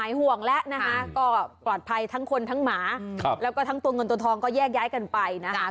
เจอพี่ปูตัวตะเกียร์